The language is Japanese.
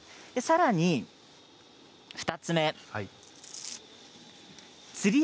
さらに２つ目です。